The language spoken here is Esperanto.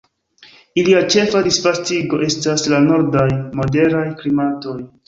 Ilia ĉefa disvastigo estas la nordaj moderaj klimatoj.